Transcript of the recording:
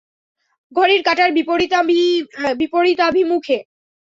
ঘড়ির কাটার বিপরীতাভিমুখে।